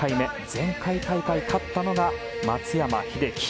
前回大会勝ったのが松山英樹。